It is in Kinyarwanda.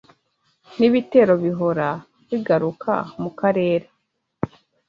Ni ibitero bihora bigaruka Mu karere